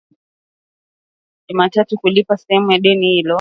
milioni moja zilitolewa kwa makampuni hayo Jumatatu kulipa sehemu ya deni hilo.